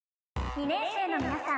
２年生の皆さん